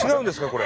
これ。